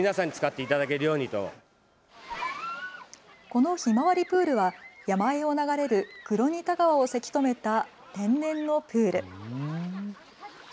このひまわりプールは山あいを流れる黒仁田川をせき止めた天然のプール。